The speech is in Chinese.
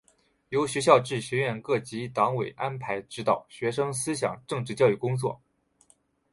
由学校至学院各级党委安排指导学生思想政治教育工作。